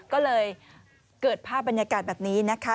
ก็เลยเกิดภาพบรรยากาศแบบนี้นะคะ